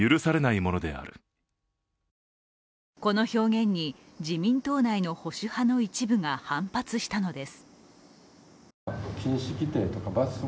この表現に自民党内の保守派の一部が反発したのです。